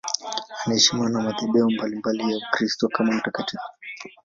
Anaheshimiwa na madhehebu mbalimbali ya Ukristo kama mtakatifu.